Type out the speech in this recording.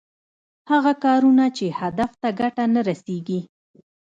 هغه کارونه چې هدف ته ګټه نه رسېږي.